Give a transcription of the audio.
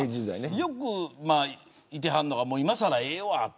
よくいるのが今更ええわって。